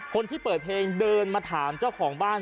คนที่เปิดเพลงเดินมาถามเจ้าของบ้าน